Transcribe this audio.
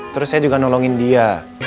terus saya juga nolongin dia